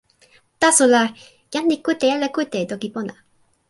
taso la, jan li kute ala kute e toki pona?